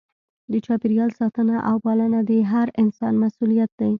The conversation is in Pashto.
د چاپیریال ساتنه او پالنه د هر انسان مسؤلیت دی.